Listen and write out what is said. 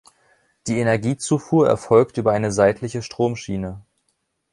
Die Energiezufuhr erfolgt über eine seitliche Stromschiene.